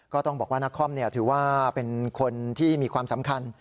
ก็ต้องบอกว่านักคอมถือว่าเป็นคนที่มีความสำคัญ